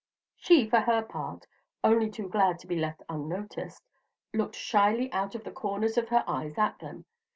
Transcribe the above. She, for her part, only too glad to be left unnoticed, looked shyly out of the corners of her eyes at them.